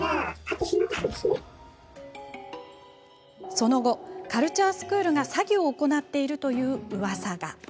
その後、カルチャースクールが詐欺を行っているといううわさが。